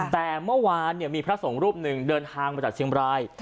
แต่เมื่อวานมีพระสงฆ์รูปหนึ่งเดินทางมาจากเชียงบราย